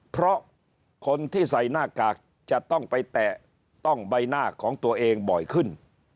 เพราะคนที่ใส่หน้ากากจะต้องไปแตะต้องใบหน้าของตัวเองบ่อยขึ้น